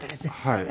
はい。